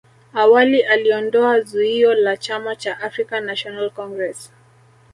awali aliondoa zuio la chama cha African national Congress